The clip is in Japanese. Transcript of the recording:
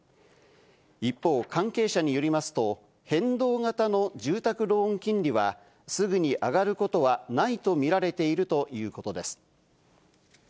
一方、関係者によりますと、変動型の住宅ローン金利は、すぐに上がることはないと見られているということです。